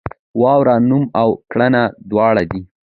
واوره نوم او کړنه دواړه دي.